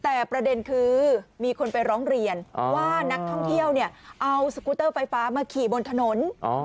แต่ประเด็นคือมีคนไปร้องเรียนว่านักท่องเที่ยวเนี่ยเอาสกูเตอร์ไฟฟ้ามาขี่บนถนน